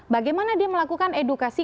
bagaimana dia melakukan edukasi